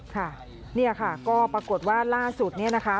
ค่ะเนี่ยค่ะก็ปรากฏว่าล่าสุดเนี่ยนะคะ